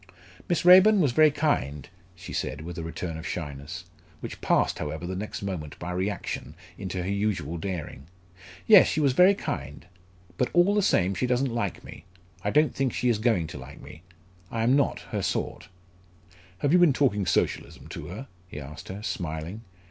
"Miss Raeburn was very kind," she said, with a return of shyness, which passed however the next moment by reaction, into her usual daring. "Yes, she was very kind! but all the same she doesn't like me I don't think she is going to like me I am not her sort." "Have you been talking Socialism to her?" he asked her, smiling.